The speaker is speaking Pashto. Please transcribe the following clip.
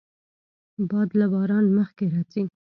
باد له باران مخکې راځي